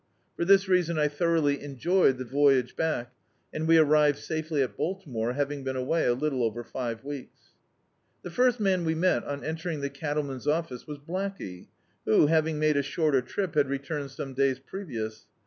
For this reason I thorou^y enjoyed the voyage back, and we arrived safely at Baltimore, having been away a little over five weeks. TTie first man we met, on entering the cattlemen's office, was Blackey, who, having made a shorter trip, had returned some days previous.